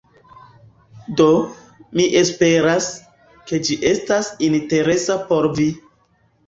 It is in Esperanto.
Do, mi esperas, ke ĝi estas interesa por vi